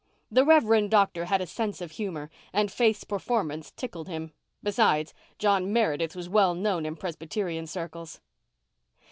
The Reverend Doctor had a sense of humour and Faith's performance tickled him. Besides, John Meredith was well known in Presbyterian circles.